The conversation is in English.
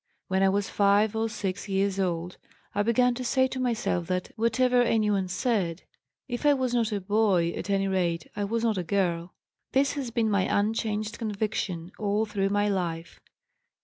When I was 5 or 6 years old I began to say to myself that, whatever anyone said, if I was not a boy at any rate I was not a girl. This has been my unchanged conviction all through my life.